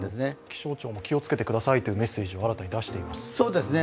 気象庁も気をつけてくださいというメッセージを新たに出しています。